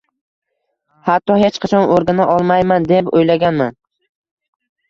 Hatto hech qachon o‘rgana olmayman, deb o‘ylaganman.